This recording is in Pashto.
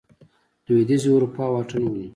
لوېدیځې اروپا واټن ونیو.